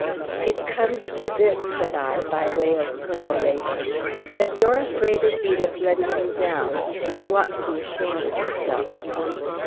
"It comes to this," said I, by way of peroration, "that you're afraid of Edith letting you down, and you ought to be ashamed of yourself."